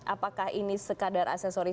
apakah ini sekadar aksesori